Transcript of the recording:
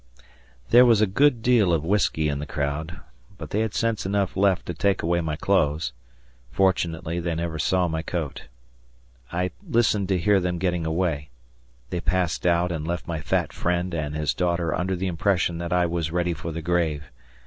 There was a good deal of whiskey in the crowd but they had sense enough left to take away my clothes. Fortunately they never saw my coat. I listened to hear them getting away they passed out and left my fat friend and his daughter under the impression that I was ready for the grave.